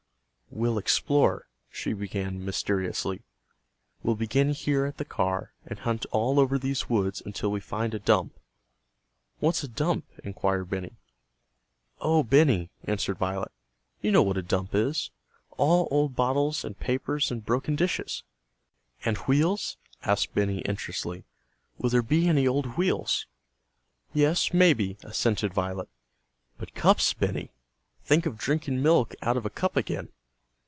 "We'll explore," she began mysteriously. "We'll begin here at the car, and hunt all over these woods until we find a dump!" "What's a dump?" inquired Benny. "O Benny!" answered Violet. "You know what a dump is. All old bottles and papers and broken dishes." "And wheels?" asked Benny interestedly. "Will there be any old wheels?" "Yes, maybe," assented Violet. "But cups, Benny! Think of drinking milk out of a cup again!"